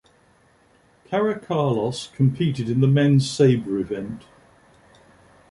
Karakalos competed in the men's sabre event.